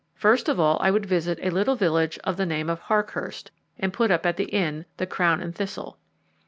First of all I would visit a little village of the name of Harkhurst, and put up at the inn, the Crown and Thistle.